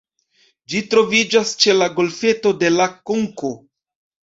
Ĝi troviĝas ĉe la Golfeto de La Konko.